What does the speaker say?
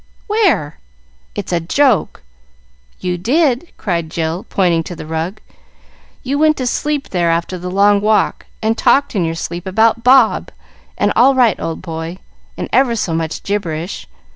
Where? It's a joke!" "You did," cried Jill, pointing to the rug. "You went to sleep there after the long walk, and talked in your sleep about 'Bob' and 'All right, old boy,' and ever so much gibberish.